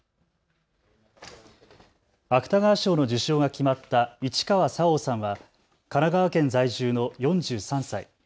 芥川賞の受賞が決まった市川沙央さんは神奈川県在住の４３歳。